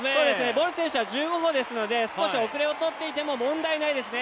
ボル選手は１５歩ですので、少し遅れをとっていても問題ないですね。